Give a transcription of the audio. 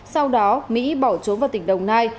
sau đó mỹ bỏ trốn vào tỉnh đồng nai